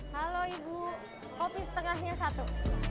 halo ibu kopi setengahnya satu